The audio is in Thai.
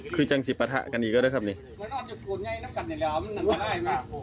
คือจรักษีปะธะกันอีกแล้วก็แล้วครับเนี้ย